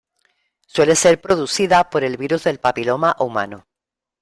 Suele ser producida por el virus del papiloma humano.